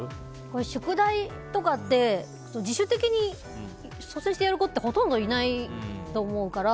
宿題とかって自主的に率先してやる子ってほとんどいないと思うから。